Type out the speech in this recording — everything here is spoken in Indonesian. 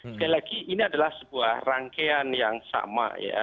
sekali lagi ini adalah sebuah rangkaian yang sama ya